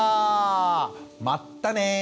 まったね！